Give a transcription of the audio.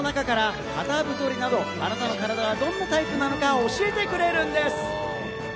その中から、かた太りなど、あなたのタイプはどのタイプなのかを教えてくれるんです。